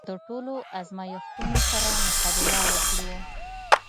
د ټولو ازمېښتونو سره مقابله وکړو.